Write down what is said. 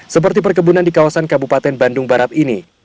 seperti perkebunan di kawasan kabupaten bandung barat ini